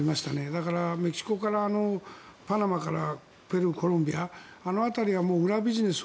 だから、メキシコからパナマからペルー、コロンビアあの辺りは裏ビジネス